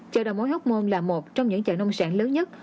chợ đầu mối hocmon là một trong những chợ nông sản lớn nhất